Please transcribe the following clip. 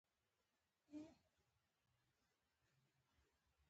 سپين ږيرو به بد بد ورته وکتل.